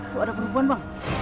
tuh ada perempuan bang